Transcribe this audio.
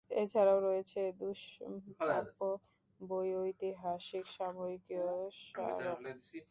এছাড়াও রয়েছে দুষ্প্রাপ্য বই, ঐতিহাসিক সাময়িকী ও স্মারক।